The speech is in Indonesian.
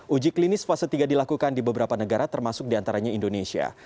uji klinis fase tiga dilakukan di beberapa negara termasuk diantaranya indonesia